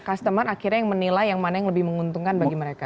customer akhirnya yang menilai yang mana yang lebih menguntungkan bagi mereka